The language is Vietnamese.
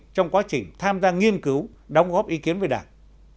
trong quá trình tham gia nghiên cứu đóng góp ý kiến với đảng